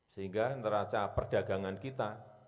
sehingga ngeraca perdagangan kita